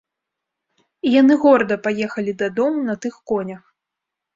І яны горда паехалі дадому на тых конях.